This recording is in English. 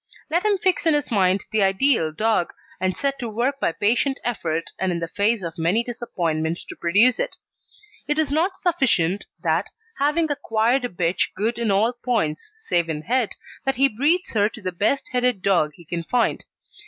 Let him fix in his mind the ideal dog, and set to work by patient effort and in the face of many disappointments to produce it. It is not sufficient that, having acquired a bitch good in all points save in head, that he breeds her to the best headed dog he can find.